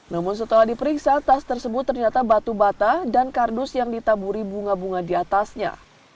namun setelah diperiksa tas tersebut ternyata batu bata dan kardus yang ditaburi bunga bunga di atasnya